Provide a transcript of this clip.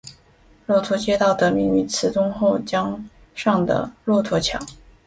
骆驼街道得名于慈东后江上的骆驼桥。